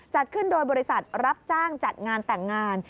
จัดขึ้นโดยบริษัทรับจ้างจัดงานแต่งงาน